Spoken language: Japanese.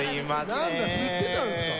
なんだ吸ってたんですか？